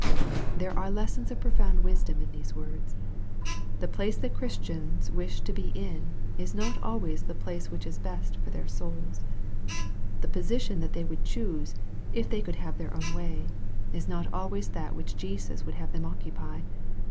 There are lessons of profound wisdom in these words. The place that Christians wish to be in, is not always the place which is best for tl eir souls. The position that they would choose, if they could have their own way, is not always that which Jesus would have them occupy.